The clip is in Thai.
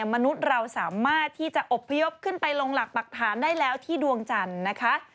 มนุษย์เราสามารถที่จะอบพยพขึ้นไปลงหลักปรักฐานได้แล้วที่ดวงจันทร์นะคะ